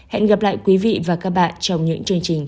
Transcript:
hẹn gặp lại quý vị và các bạn trong những chương trình